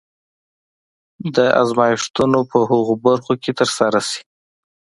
دا ازمایښتونه په هغو برخو کې ترسره شي.